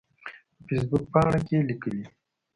په فیسبوک پاڼه کې کې لیکلي